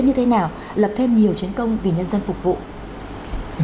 như thế nào lập thêm nhiều chiến công vì nhân dân phục vụ